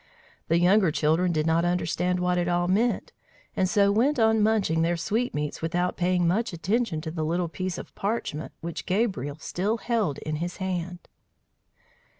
The younger children did not understand what it all meant, and so went on munching their sweetmeats without paying much attention to the little piece of parchment which Gabriel still held in his hand.